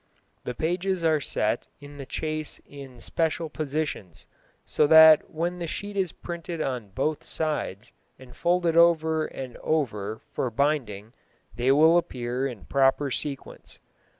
The pages are set in the chase in special positions, so that when the sheet is printed on both sides and folded over and over for binding they will appear in proper sequence.